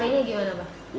satenya gimana pak